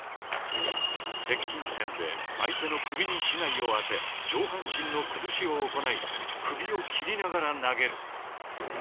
接近戦で相手の首に竹刀を当て上半身の崩しを行い首を斬りながら投げる。